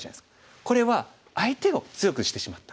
これは相手を強くしてしまった。